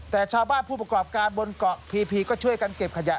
แต่ชาวบ้านผู้ประกอบการบนเกาะพีพีก็ช่วยกันเก็บขยะ